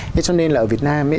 thế cho nên là ở việt nam ấy